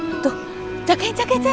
eh tuh jaga jaga